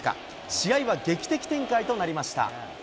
試合は劇的展開となりました。